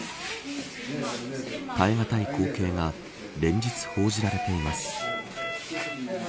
耐え難い光景が連日、報じられています。